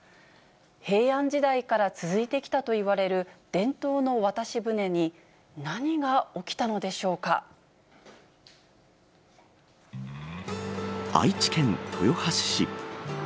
平安時代から続いてきたといわれる伝統の渡し船に、何が起きたの愛知県豊橋市。